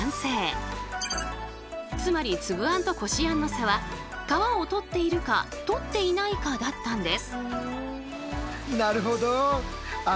つまりつぶあんとこしあんの差は皮を取っているか取っていないかだったんです。